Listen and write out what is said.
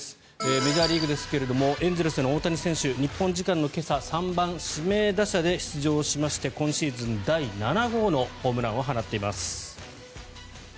メジャーリーグですがエンゼルスの大谷選手日本時間の今朝３番指名打者で出場しまして今シーズン第７号のホームランを放っています。